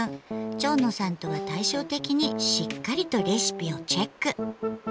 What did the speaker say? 蝶野さんとは対照的にしっかりとレシピをチェック。